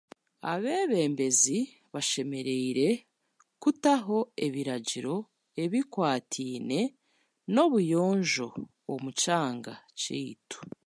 Abeebembezi bashemereire kutaho ebiragiro ebikwatiriine n'obuyonjo omu kyanga kyaitu